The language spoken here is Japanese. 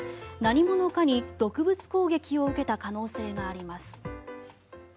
何者かに毒物攻撃を受けた可能性があります。